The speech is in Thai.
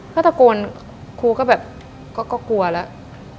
ก็ตะโกนครูก็แบบก็กลัวแล้ว